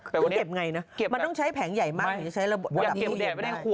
เก็บไงนะมันต้องใช้แผงใหญ่มากอย่าใช่ระบบเด็ดแดงไง